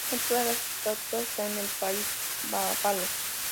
No toda la estatua está en el país bávaro.